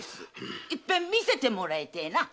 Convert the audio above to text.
一ぺんみせてもらいてえな。